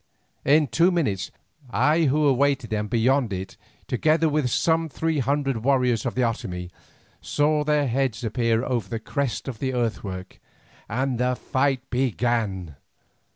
In two minutes I, who awaited them beyond it together with some three hundred warriors of the Otomie, saw their heads appear over the crest of the earthwork, and the fight began.